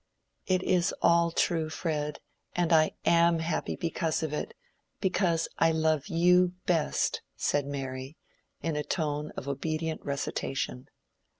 "It is all true, Fred, and I am happy because of it—because I love you best," said Mary, in a tone of obedient recitation.